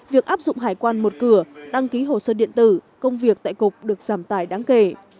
việc áp dụng hải quan một cửa đăng ký hồ sơ điện tử công việc tại cục được giảm tải đáng kể